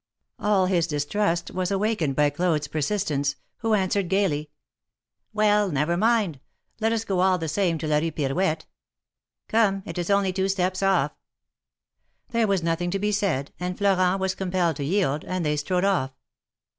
All THE MARKETS OF PARIS. 41 hIs distrust was awakened by Claude's persistence, who answered, gayly: Well, never mind ! let us go all the same to la Rue Pirouette. Come, it is only two steps off." There was nothing to be said, and Florent was com pelled to yield, and they strode off.